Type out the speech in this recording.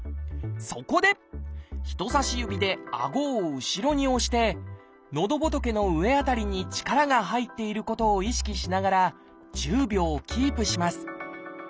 そこで人さし指であごを後ろに押してのどぼとけの上辺りに力が入っていることを意識しながら１０秒キープします。